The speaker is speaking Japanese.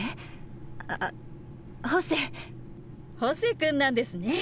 ホセ君なんですね。